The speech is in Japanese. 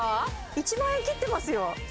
１万円切ってますよ